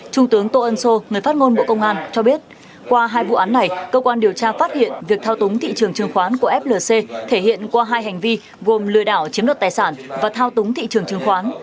trung tướng tô ân sô người phát ngôn bộ công an cho biết qua hai vụ án này cơ quan điều tra phát hiện việc thao túng thị trường chứng khoán của flc thể hiện qua hai hành vi gồm lừa đảo chiếm đoạt tài sản và thao túng thị trường chứng khoán